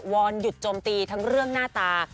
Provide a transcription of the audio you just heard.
อนหยุดโจมตีทั้งเรื่องหน้าตา